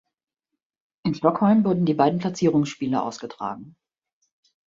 In Stockholm wurden die beiden Platzierungsspiele ausgetragen.